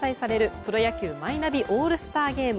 プロ野球マイナビオールスターゲーム。